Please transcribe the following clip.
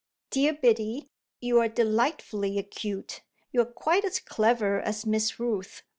"Dear Biddy, you're delightfully acute: you're quite as clever as Miss Rooth."